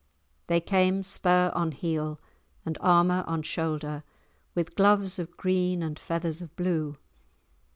They came spur on heel and armour on shoulder, with gloves of green and feathers of blue.